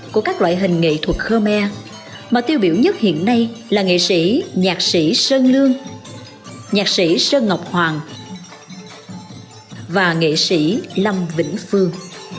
các loại hình nghệ thuật khmer mà tiêu biểu nhất hiện nay là nghệ sĩ nhạc sĩ sơn lương nhạc sĩ sơn ngọc hoàng và nghệ sĩ lâm vĩnh phương